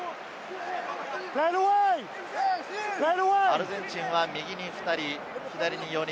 アルゼンチンは右に２人、左に４人。